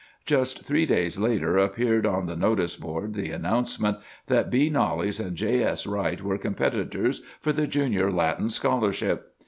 "Just three days later appeared on the notice board the announcement that B. Knollys and J. S. Wright were competitors for the Junior Latin scholarship!